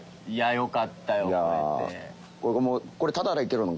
いやよかったよ来れて。